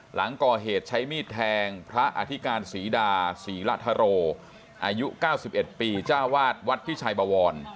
หลังก่อเหตุใช้มีดแทงพระอธิการศรีดาศรีละทโรอายุ๙๑ปีจ้าวาดวัดพิชัยบวร